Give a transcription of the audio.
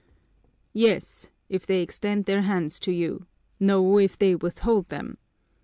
"Yes, if they extend their hands to you; no, if they withhold them.